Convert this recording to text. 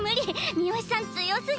三好さん強すぎ。